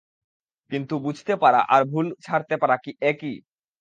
কিন্তু বুঝতে পারা, আর ভুল ছাড়তে পারা কি একই?